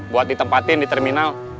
buat ditempatin di terminal